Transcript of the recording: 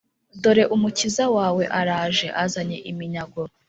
«dore umukiza wawe araje, azanye iminyago,